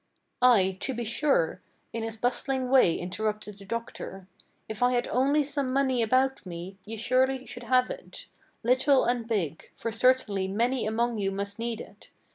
"Ay, to be sure!" in his bustling way interrupted the doctor: "If I had only some money about me, ye surely should have it, Little and big; for certainly many among you must need it.